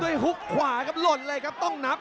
ฮุกขวาครับหล่นเลยครับต้องนับ